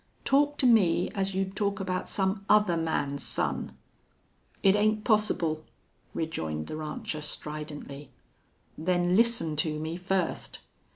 Talk to me as you'd talk about some other man's son." "It ain't possible," rejoined the rancher, stridently. "Then listen to me first....